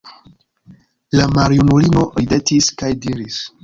La maljunulino ridetis kaj diris: